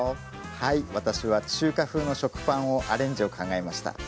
はい私は中華風の食パンをアレンジを考えました。